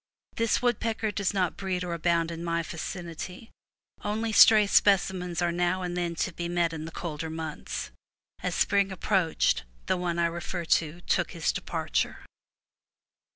This woodpecker does not breed or abound in my vicinity; only stray specimens are now and then to be met in the colder months. As spring approached, the one I refer to took his departure.